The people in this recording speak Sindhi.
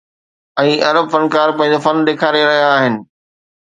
۽ عرب فنڪار پنهنجو فن ڏيکاري رهيا آهن.